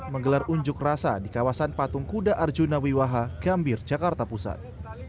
menggelar unjuk rasa di kawasan patung kuda arjuna wiwaha gambir jakarta pusat